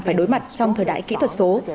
phải đối mặt trong thời đại kỹ thuật số